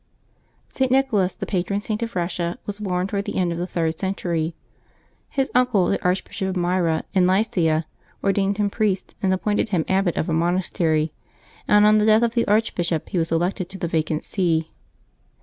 [t. Nicholas^ the patron Saint of Eussia, was born toward the end of the third century. His uncle, the Archbishop of Myra in Lycia, ordained him priest, and appointed him abbot of a monastery ; and on the death of the archbishop he was elected to the vacant see.